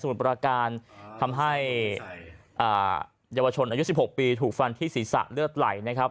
ประการทำให้เยาวชนอายุ๑๖ปีถูกฟันที่ศีรษะเลือดไหลนะครับ